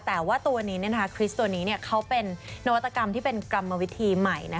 แต่ว่าตัวนี้คริสต์ตัวนี้เขาเป็นนวัตกรรมที่เป็นกรรมวิธีใหม่